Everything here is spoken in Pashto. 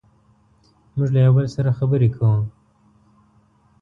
موږ له یو بل سره خبرې کوو.